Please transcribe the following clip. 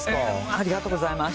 ありがとうございます。